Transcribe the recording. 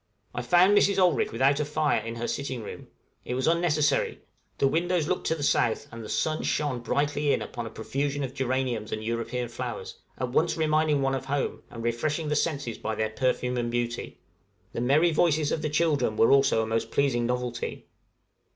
I found Mrs. Olrik without a fire in her sitting room; it was unnecessary; the windows looked to the south, and the sun shone brightly in upon a profusion of geraniums and European flowers, at once reminding one of home, and refreshing the senses by their perfume and beauty; the merry voices of the children were also a most pleasing novelty.